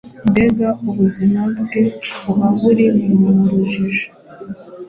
mbega ‘ubuzima bwe buba buri mu rujijo.